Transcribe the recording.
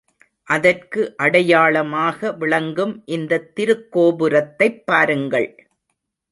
அதற்கு அடையாளமாக விளங்கும் இந்தத் திருக்கோபுரத்தைப் பாருங்கள்.